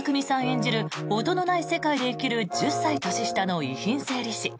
演じる音のない世界で生きる１０歳年下の遺品整理士。